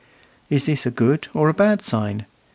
Is this a good or a bad sign?